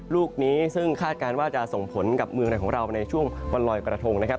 ลูกนี้ซึ่งคาดการณ์ว่าจะส่งผลกับเมืองในของเราในช่วงวันลอยกระทงนะครับ